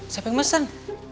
siapa yang pesen